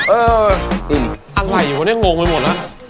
เอออะไรวะเนี่ยงงไปหมดแล้ว